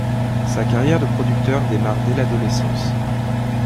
Sa carrière de producteur démarre dès l'adolescence.